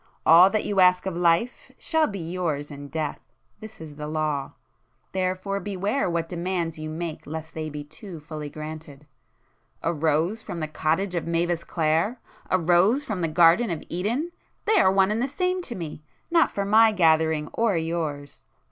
All that you ask of life shall be yours in death!—this is the law,—therefore beware what demands you make lest they be too fully granted! A rose from the cottage of Mavis Clare?—a rose from the garden of Eden!—they are one and the same to me! Not for my gathering or yours!